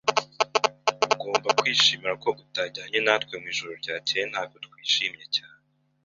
Ugomba kwishimira ko utajyanye natwe mwijoro ryakeye. Ntabwo twishimye cyane.